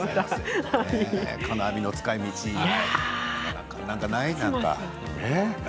金網の使いみち何かない？